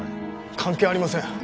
関係ありません！